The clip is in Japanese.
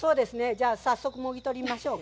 じゃあ早速もぎ取りましょうか。